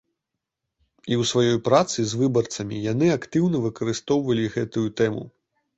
І ў сваёй працы з выбарцамі яны актыўна выкарыстоўвалі гэтую тэму.